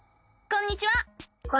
こんにちは。